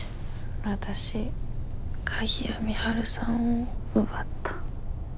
わたし鍵谷美晴さんを奪った。